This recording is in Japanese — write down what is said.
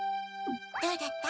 どうだった？